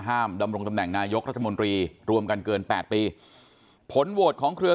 ดำรงตำแหน่งนายกรัฐมนตรีรวมกันเกินแปดปีผลโหวตของเครือ